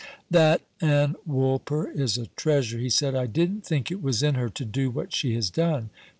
"That Ann Woolper is a treasure," he said; "I didn't think it was in her to do what she has done.